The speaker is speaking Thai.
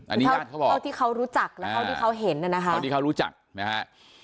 อันนี้ญาติเขาบอกเขาที่เขารู้จักและเขาที่เขาเห็นนะครับเขาที่เขารู้จักนะครับ